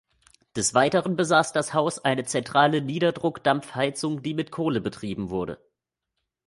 Des Weiteren besaß das Haus eine zentrale Niederdruck-Dampfheizung, die mit Kohle betrieben wurde.